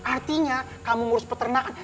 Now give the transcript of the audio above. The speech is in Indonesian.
artinya kamu mengurus peternakan